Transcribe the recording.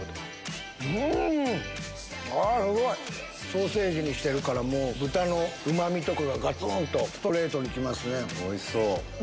ソーセージにしてるから豚のうま味とかがガツン！とストレートに来ますね。